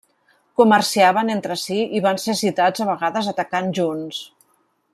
Comerciaven entre si i van ser citats a vegades atacant junts.